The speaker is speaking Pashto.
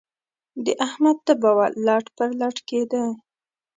د احمد تبه وه؛ لټ پر لټ کېدی.